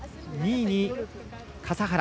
２位に笠原。